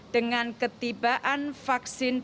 dengan ketibaan vaksinnya